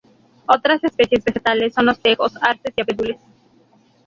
Otras especies vegetales son los tejos, arces y abedules.